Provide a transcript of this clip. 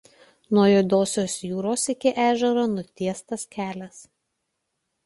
Nuo Juodosios jūros iki ežero nutiestas kelias.